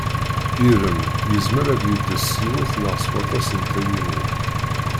Irem yezmer ad yeddes s yiwet neɣ s waṭas n tayunin.